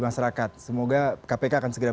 masyarakat semoga kpk akan segera